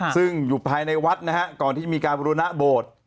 ซึ่งอยู่ภายในวัดนะฮะก่อนที่จะมีการบุรณะโบสถ์